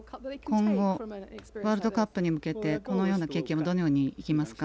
今後、ワールドカップに向けてこのような経験はどのように生きますか？